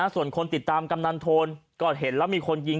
ส่วนคนติดตามกำนันโทนก็เห็นแล้วมีคนยิง